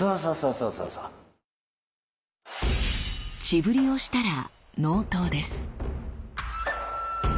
血振りをしたら納刀です。